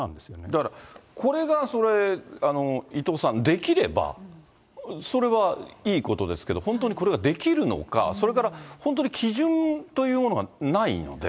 だからこれがそれ、伊藤さん、できれば、それはいいことですけど、本当にこれができるのか、それから本当に基準というものがないので。